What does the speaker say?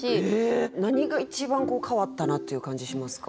何が一番こう変わったなっていう感じしますか？